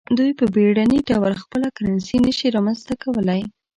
دوی په بیړني ډول خپله کرنسي نشي رامنځته کولای.